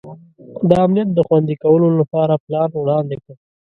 د امنیت د خوندي کولو لپاره پلان وړاندي کړ.